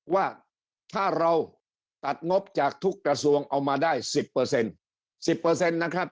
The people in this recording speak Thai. ว่าถ้าเราตัดงบจากทุกกระทรวงเอามาได้สิบเปอร์เซ็นต์สิบเปอร์เซ็นต์นะครับ